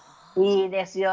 いいですよね。